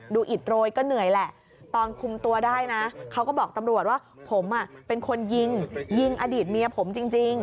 อิดโรยก็เหนื่อยแหละตอนคุมตัวได้นะเขาก็บอกตำรวจว่าผมเป็นคนยิงยิงอดีตเมียผมจริง